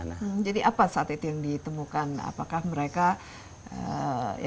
rhaumatur ada satu sehari setelah tiba tiba